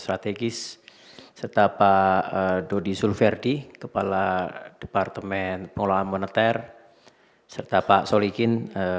strategis serta pak dodi sulverdi kepala departemen pengelolaan moneter serta pak solikin